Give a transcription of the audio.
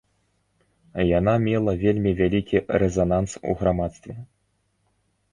Яна мела вельмі вялікі рэзананс ў грамадстве.